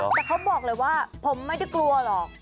แต่เขาบอกเลยว่าผมไม่ได้กลัวหรอก